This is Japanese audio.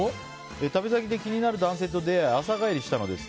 旅先で気になる男性と出会い朝帰りしたのです。